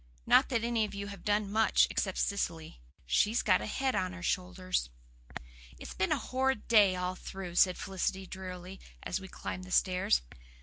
Not that any of you have done much, except Cecily. She's got a head of her shoulders." "It's been a horrid day all through," said Felicity drearily, as we climbed the stairs.